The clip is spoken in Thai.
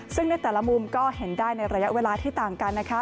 ซึ่งในแต่ละมุมก็เห็นได้ในระยะเวลาที่ต่างกันนะคะ